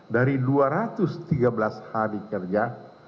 dari dua ratus tiga belas hari kerja